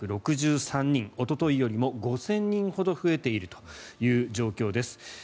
おとといよりも５０００人ほど増えているという状況です。